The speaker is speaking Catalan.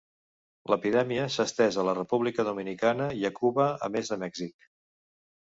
L'epidèmia s'ha estès a la República Dominicana i a Cuba, a més de Mèxic.